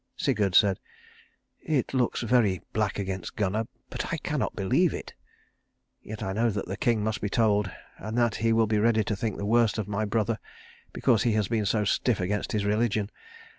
Sigurd said, "It looks very black against Gunnar, but I cannot believe it. Yet I know that the king must be told, and that he will be ready to think the worst of my brother because he has been so stiff against his religion.